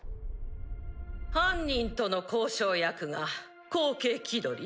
犯人との交渉役が後継気取り？